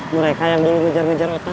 mereka yang dulu ngejar ngejar otak